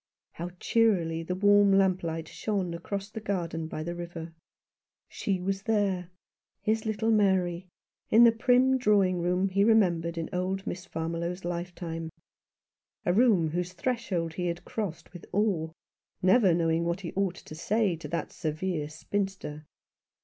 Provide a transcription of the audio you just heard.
How cheerily the warm lamplight shone across the garden by the river. She was there, his little Mary, in the prim drawing room he remembered in old Miss Farmiloe's lifetime ; a room whose threshold he had crossed with awe, never knowing what he ought to say to that severe spinster.